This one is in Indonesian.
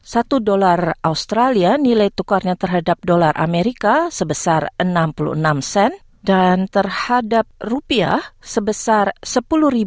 satu dolar australia nilai tukarnya terhadap dolar amerika sebesar enam puluh enam sen dan terhadap rupiah sebesar sepuluh dua ratus delapan puluh empat lima belas sen